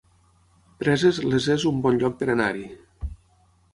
Preses, les es un bon lloc per anar-hi